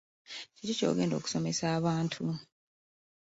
Kiki ky'ogenda okusomesa abantu?